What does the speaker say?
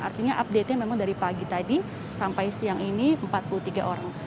artinya update nya memang dari pagi tadi sampai siang ini empat puluh tiga orang